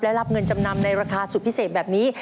และรับเงินจำนำในราคาสุดพิเศษแบบนี้